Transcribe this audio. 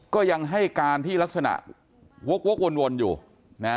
ก็ยังให้การที่ลักษณะวกวนอยู่นะ